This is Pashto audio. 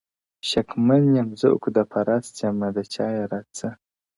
شکمن یم زه عُقده پرست یمه د چا يې را څه